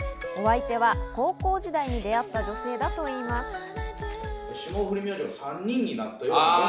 お相手は高校時代に出会った女性だといいます。